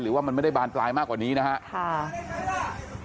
ว่ามันไม่ได้บานปลายมากกว่านี้นะครับ